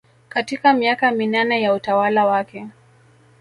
katika miaka minane ya utawala wake